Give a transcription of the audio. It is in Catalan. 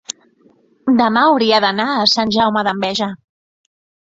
demà hauria d'anar a Sant Jaume d'Enveja.